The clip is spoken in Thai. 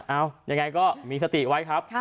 เอายังไงก็มีสติไว้ครับ